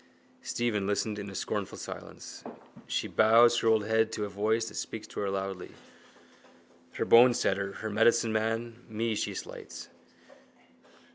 Stephen listened in scornful silence. She bows her old head to a voice that speaks to her loudly, her bonesetter, her medicineman: me she slights.